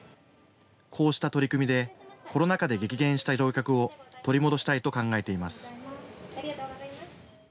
こうした取り組みでコロナ禍で激減した乗客を取り戻したいと考えています。